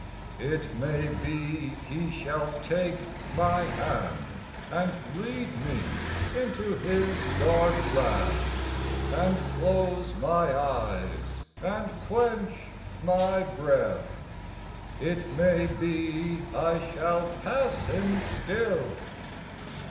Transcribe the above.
It may be he shall take my hand And lead me into his dark land And close my eyes and quench my breath It may be I shall pass him still.